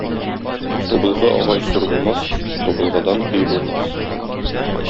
Тубылгы агач зур булмас, тубылгыдан өй булмас.